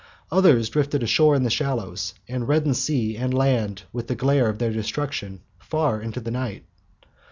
Others drifted ashore in the shallows, and reddened sea and land with the glare of their destruction far into the night.